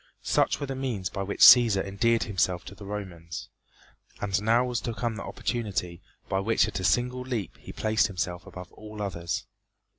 Such were the means by which Cæsar endeared himself to the Romans. And now was to come the opportunity by which at a single leap he placed himself above all others.